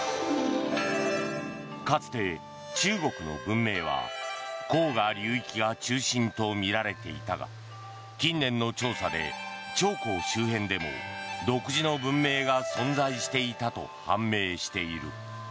かつて、中国の文明は黄河流域が中心とみられていたが近年の調査で、長江周辺でも独自の文明が存在していたと判明している。